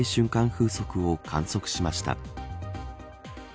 風速を観測しました。